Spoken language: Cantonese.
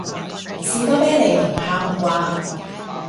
士多啤梨同哈蜜瓜